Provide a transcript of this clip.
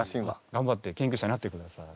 がんばって研究者になってください。